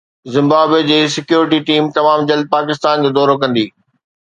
Zimbabwe جي security team تمام جلد پاڪستان جو دورو ڪندي